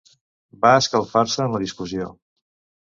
Van escalfar-se en la discussió.